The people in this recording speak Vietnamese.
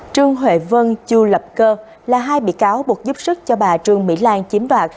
trương huệ vân chu lập cơ là hai bị cáo buộc giúp sức cho bà trương mỹ lan chiếm đoạt